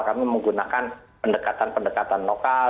kami menggunakan pendekatan pendekatan lokal